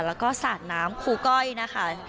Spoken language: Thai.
แล้วก็สาดน้ำครูก้อยนะคะ